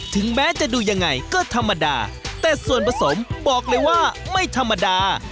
ถึงแม้จะดูยังไงก็ธรรมดาแต่ส่วนผสมบอกเลยว่าไม่ธรรมดา